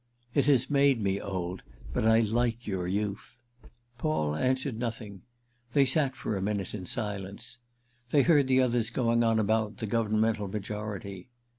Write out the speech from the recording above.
"It has made me old. But I like your youth." Paul answered nothing—they sat for a minute in silence. They heard the others going on about the governmental majority.